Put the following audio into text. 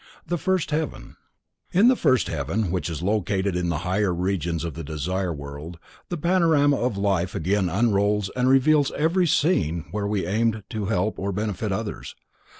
The First Heaven. In the first heaven, which is located in the higher regions of the Desire World, the panorama of life again unrolls and reveals every scene where we aimed to help or benefit others.